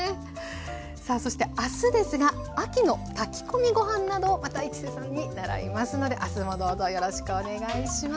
さあそして明日ですが秋の炊き込みご飯などをまた市瀬さんに習いますので明日もどうぞよろしくお願いします。